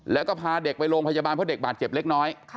แล้วก็พาเด็กไปโรงพยาบาลเพราะเด็กบาดเจ็บเล็กน้อย